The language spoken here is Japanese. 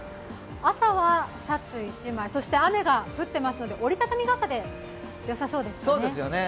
朝はシャツ１枚、そして雨が降っていますので折り畳み傘でよさそうですね。